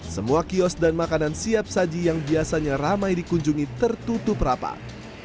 semua kios dan makanan siap saji yang biasanya ramai dikunjungi tertutup rapat